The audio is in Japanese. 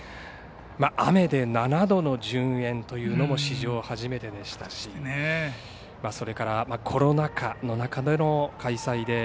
雨で７度の順延というのも史上初めてそれからコロナ禍の中での開催です。